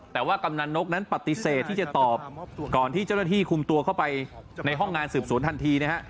แต่ว่ากำนันนกนั้นปฏิเสธที่จะตอบก่อนที่เจ้าหน้าที่คุมตัวเข้าไปในห้องงานสืบสวนทันทีนะฮะ